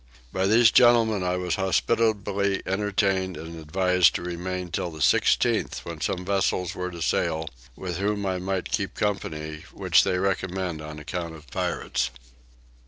By these gentlemen I was hospitably entertained, and advised to remain till the 16th when some vessels were to sail, with whom I might keep company, which they recommended on account of pirates.